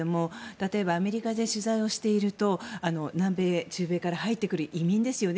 例えばアメリカで取材していると南米、中米から入る移民ですよね。